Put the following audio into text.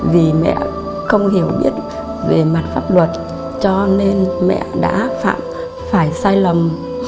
vì mẹ không hiểu biết về mặt pháp luật cho nên mẹ đã phải sai lầm